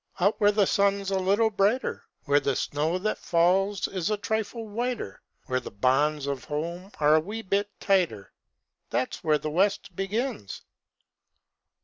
Out where the sun's a little brighter, Where the snow that falls is a trifle whiter, Where the bonds of home are a wee bit tighter, That's where the West begins.